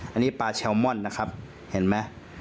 อันนี้ปลาแซลมอนนะครับเห็นไหม